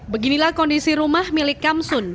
beginilah kondisi rumah milik kamsun